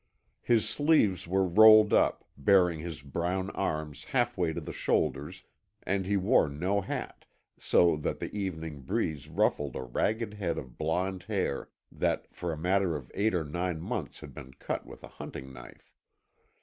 His sleeves were rolled up, baring his brown arms halfway to the shoulders and he wore no hat, so that the evening breeze ruffled a ragged head of blond hair that for a matter of eight or nine months had been cut with a hunting knife.